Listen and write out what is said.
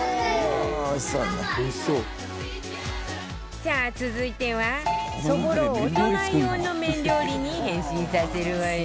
さあ続いてはそぼろを大人用の麺料理に変身させるわよ